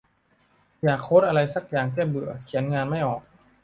อยากโค้ดอะไรซักอย่างแก้เบื่อ เขียนงานไม่ออก